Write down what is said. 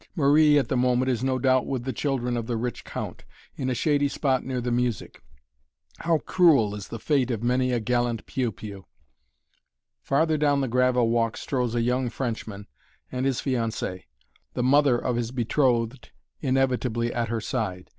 Marie, at the moment, is no doubt with the children of the rich Count, in a shady spot near the music. How cruel is the fate of many a gallant "piou piou"! Farther down the gravel walk strolls a young Frenchman and his fiancée the mother of his betrothed inevitably at her side!